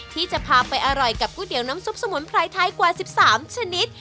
ที่จะพาไปอร่อยกับก๋วยเตี๋ยวน้ำซุปสมุนไพรไทยกว่า๑๓ชนิด